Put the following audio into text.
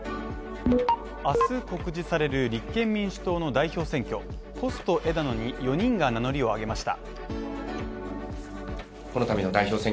あす告示される立憲民主党の代表選挙ポスト枝野に４人が名乗りを上げました。